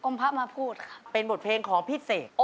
พระมาพูดค่ะเป็นบทเพลงของพี่เสก